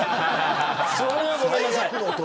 それはごめんなさい。